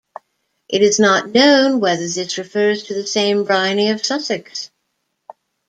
It is not known whether this refers to the same Bryni of Sussex.